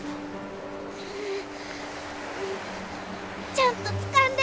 ちゃんとつかんで！